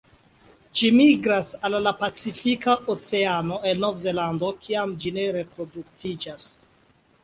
Ĝi migras al la Pacifika Oceano el Novzelando kiam ĝi ne reproduktiĝas.